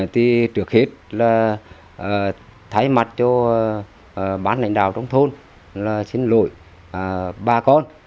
trước hết thay mặt cho bán lãnh đạo trong thôn là xin lỗi bà con